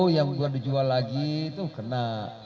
yang buat dijual lagi itu kena